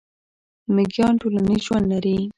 میږیان ټولنیز ژوند لري